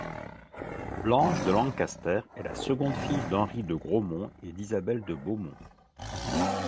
Blanche de Lancastre est la seconde fille d'Henri de Grosmont et d'Isabelle de Beaumont.